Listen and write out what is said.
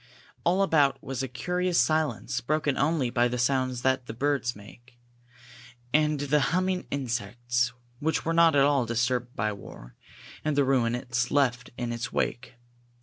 All about was a curious silence, broken only by the sounds that the birds made, and the humming insects, which were not at all disturbed by war and the ruin it left in its wake.